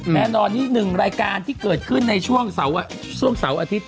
แน่นอนนี้หนึ่งรายการที่เกิดขึ้นในช่วงเสาร์อาทิตย